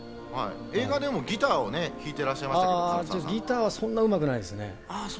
映画でもギターを弾いていらギターはそんなにうまくないですね。